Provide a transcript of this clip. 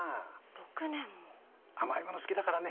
６年も甘いもの好きだからね